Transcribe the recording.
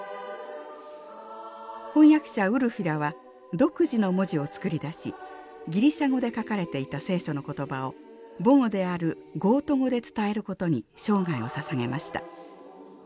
翻訳者ウルフィラは独自の文字を作り出しギリシャ語で書かれていた聖書の言葉を母語であるゴート語で伝えることに生涯をささげました。